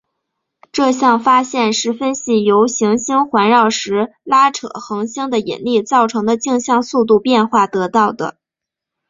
这项发现是分析由行星环绕时拉扯恒星的引力造成的径向速度变化得到的。